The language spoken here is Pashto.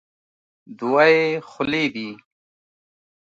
دوه یې خولې دي.